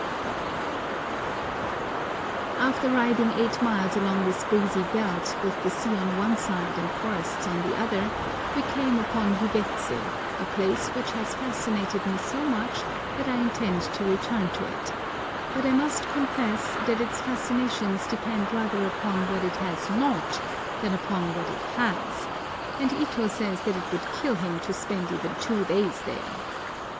After riding eight miles along this breezy belt, with the sea on one side and forests on the other, we came upon Yubets, a place which has fascinated me so much that I intend to return to it; but I must confess that its fascinations depend rather upon what it has not than upon what it has, and Ito says that it would kill him to spend even two days there.